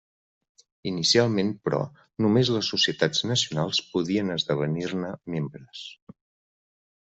Inicialment, però, només les societats nacionals podien esdevenir-ne membres.